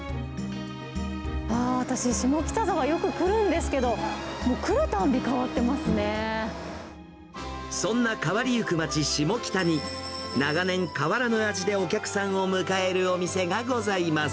あー、私、下北沢、よく来るんですけど、そんな変わりゆく街、下北に、長年、変わらぬ味でお客さんを迎えるお店がございます。